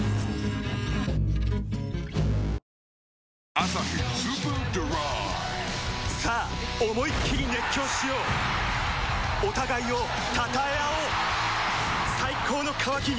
「アサヒスーパードライ」さあ思いっきり熱狂しようお互いを称え合おう最高の渇きにＤＲＹ